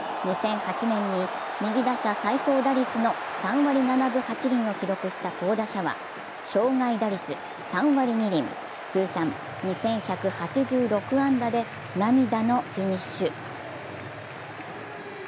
２００８年に右打者最高打率の３割７分８厘を記録した巧打者は生涯打率３割２厘、通算２１８６安打で涙のフィニッシュ。